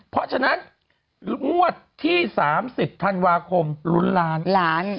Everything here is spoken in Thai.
เพราะฉะนั้นงวดที่๓๐ธันวาคมลุ้นล้านล้าน